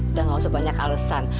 udah gak usah banyak alesan